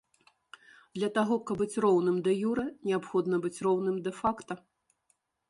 Для таго, каб быць роўным дэ-юрэ, неабходна быць роўным дэ-факта.